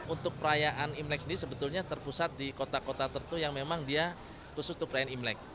untuk perayaan imlek ini sebetulnya terpusat di kota kota tertentu yang memang dia khusus untuk perayaan imlek